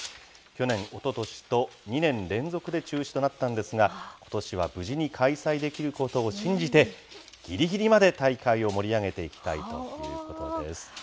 去年、おととしと２年連続で中止となったんですが、ことしは無事に開催できることを信じて、ぎりぎりまで大会を盛り上げていきたいということです。